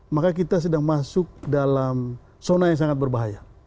maka kita sedang masuk dalam zona yang sangat berbahaya